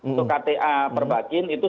untuk kta perbakin itu